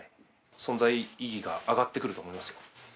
存在意義が上がってくると思いま